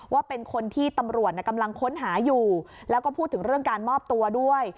ว่าเป็นคนที่ตำรวจกำลังค้นหาอยู่แล้วก็พูดถึงเรื่องการมอบตัวด้วย